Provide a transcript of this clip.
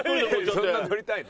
そんな乗りたいの？